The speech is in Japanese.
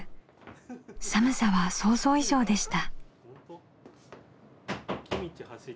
寒さは想像以上でした。